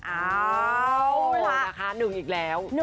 อ้าวนะคะ๑อีกแล้ว